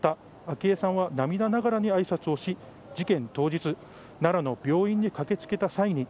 昭恵さんは涙ながらに挨拶をし、事件当日、奈良の病院に駆けつけた際に